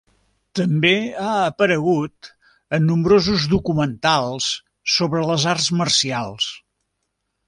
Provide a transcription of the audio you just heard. També ha aparegut en nombrosos documentals sobre les Arts Marcials.